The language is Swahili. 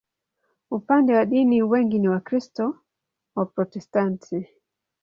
Upande wa dini, wengi ni Wakristo Waprotestanti.